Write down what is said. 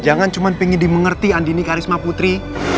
jangan cuma pengen dimengerti andini karisma putri